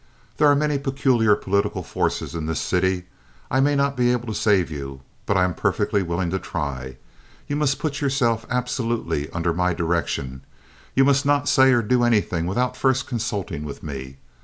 There are many peculiar political forces in this city. I may not be able to save you, but I am perfectly willing to try. You must put yourself absolutely under my direction. You must not say or do anything without first consulting with me.